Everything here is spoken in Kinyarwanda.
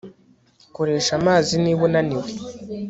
koresha amazi niba unaniwe